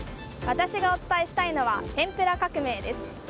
私がお伝えしたいのは天ぷら革命です。